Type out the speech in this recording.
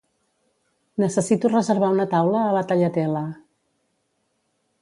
Necessito reservar una taula a la Tagliatella.